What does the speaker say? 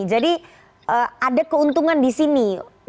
jadi ada keuntungan di sini